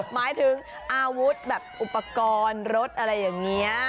หมายถึงอาวุธแบบอุปกรณ์รถอะไรอย่างนี้